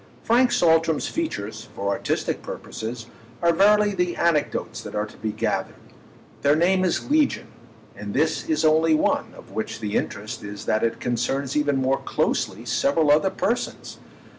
Frank Saltram's features, for artistic purposes, are verily the anecdotes that are to be gathered. Their name is legion, and this is only one, of which the interest is that it concerns even more closely several other persons.